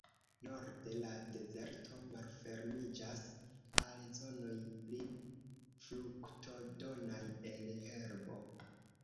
Norde, la dezerto malfermiĝas al zonoj pli fruktodonaj el herbo.